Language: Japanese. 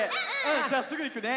じゃすぐいくね。